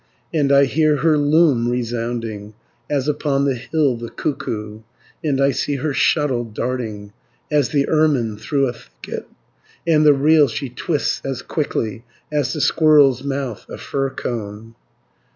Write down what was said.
"And I hear her loom resounding, As upon the hill the cuckoo, And I see her shuttle darting, As the ermine through a thicket, And the reel she twists as quickly As the squirrel's mouth a fir cone.